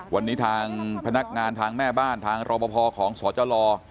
วันนี้ทางพนักงานทางแม่บ้านทางรอปภของสจ